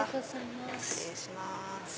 失礼します。